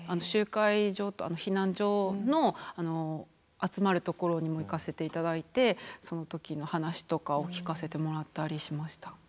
集会所と避難所の集まるところにも行かせて頂いてその時の話とかを聞かせてもらったりしました。